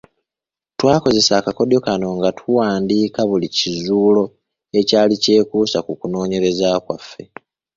Twakozesa akakodyo kano nga tuwandiika buli kizuulo ekyali kyekuusa ku kunoonyereza kwaffe.